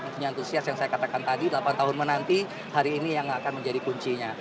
maksudnya antusias yang saya katakan tadi delapan tahun menanti hari ini yang akan menjadi kuncinya